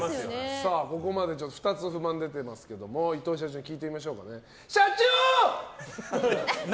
ここまで２つ不満が出ていますが伊藤社長、聞いてみましょうか。